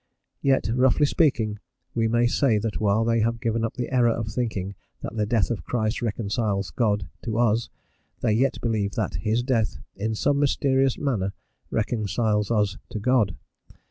Yet, roughly speaking, we may say that while they have given up the error of thinking that the death of Christ reconciles God to us, they yet believe that his death, in some mysterious manner, reconciles us to God.